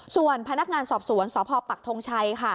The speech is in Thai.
ส่วนพนักงานสอบสวนสพปักทงชัย